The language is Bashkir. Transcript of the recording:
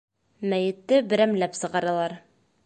Мәйетте берәмләп сығаралар.